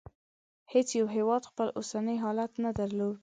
هېڅ یو هېواد خپل اوسنی حالت نه درلود.